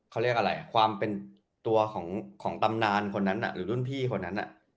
เขาเรียกอะไรความเป็นตัวของตำนานคนนั้นหรือรุ่นพี่คนนั้น